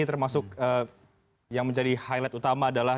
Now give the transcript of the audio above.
termasuk yang menjadi highlight utama adalah